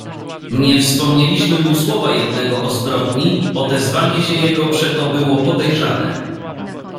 "Nie wspomnieliśmy mu słowa jednego o zbrodni, odezwanie się jego przeto było podejrzane."